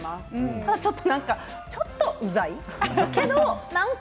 ただちょっと、ちょっとうざい。